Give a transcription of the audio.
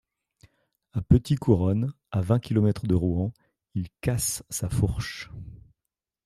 A Petit Couronne, à vingt kilomètres de Rouen, il casse sa fourche.